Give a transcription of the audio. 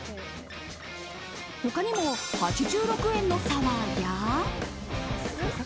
他にも８６円のサワーや。